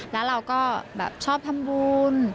แล้วเราก็แบบชอบทำบุญ